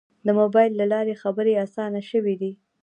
د موبایل له لارې خبرې آسانه شوې دي.